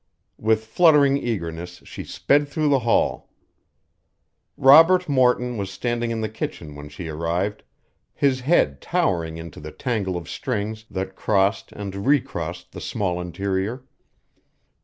With fluttering eagerness she sped through the hall. Robert Morton was standing in the kitchen when she arrived, his head towering into the tangle of strings that crossed and recrossed the small interior.